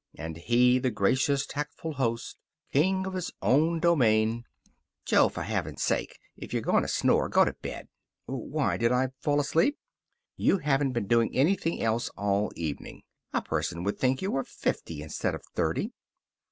And he, the gracious, tactful host, king of his own domain "Jo, for heaven's sake, if you're going to snore, go to bed!" "Why did I fall asleep?" "You haven't been doing anything else all evening. A person would think you were fifty instead of thirty."